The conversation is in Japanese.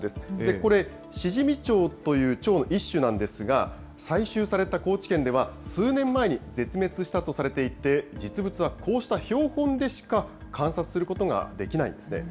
これ、シジミチョウというチョウの一種なんですが、採集された高知県では、数年前に絶滅したとされていて、実物はこうした標本でしか観察することができないんですね。